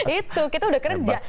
itu kita udah kerja